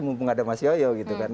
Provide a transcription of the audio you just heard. mumpung ada mas yoyo gitu kan